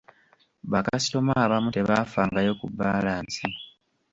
Bakasitoma abamu tebaafangayo ku baalansi.